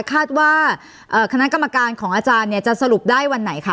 คาดว่าคณะกรรมการของอาจารย์เนี่ยจะสรุปได้วันไหนคะ